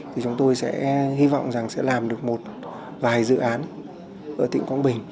thì chúng tôi sẽ hy vọng rằng sẽ làm được một vài dự án ở tỉnh quang bình